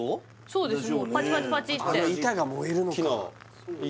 そうです